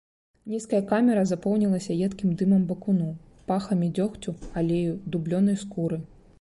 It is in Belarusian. Нізкая камера запоўнілася едкім дымам бакуну, пахамі дзёгцю, алею, дублёнай скуры.